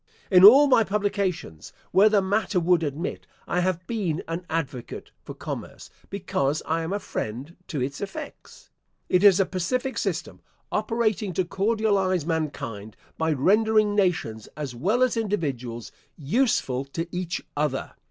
In all my publications, where the matter would admit, I have been an advocate for commerce, because I am a friend to its effects. It is a pacific system, operating to cordialise mankind, by rendering nations, as well as individuals, useful to each other.